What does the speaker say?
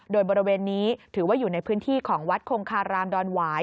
โดยบริเวณนี้ถือว่าอยู่ในพื้นที่ของวัดคงคารามดอนหวาย